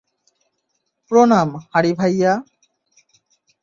প্রণাম, হারি ভাইয়া।